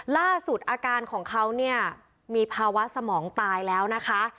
ล่าสุดอาการของเขาเนี่ยมีภาวะสมองตายแล้วนะคะ